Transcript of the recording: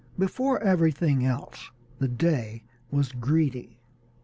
Before everything else the Dey was greedy.